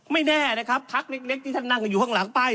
ไม่แน่นะครับพักเล็กที่ท่านนั่งอยู่ข้างหลังป้าย